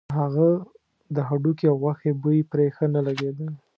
د هغه د هډوکي او غوښې بوی پرې ښه نه لګېده.